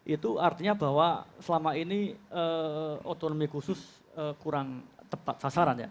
itu artinya bahwa selama ini otonomi khusus kurang tepat sasaran ya